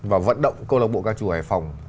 và vận động câu lạc bộ ca trù hải phòng